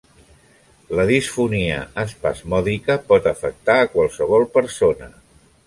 La disfonia espasmòdica pot afectar a qualsevol persona.